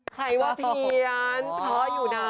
ใครว่าเพี้ยนเพราะอยู่นะ